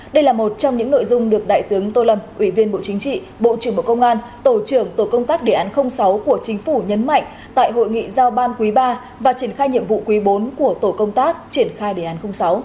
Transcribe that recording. đây là một trong những nội dung được đại tướng tô lâm ủy viên bộ chính trị bộ trưởng bộ công an tổ trưởng tổ công tác đề án sáu của chính phủ nhấn mạnh tại hội nghị giao ban quý ba và triển khai nhiệm vụ quý bốn của tổ công tác triển khai đề án sáu